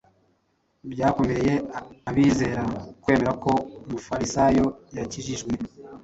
Byakomereye abizera kwemera ko umufarisayo yakijijwe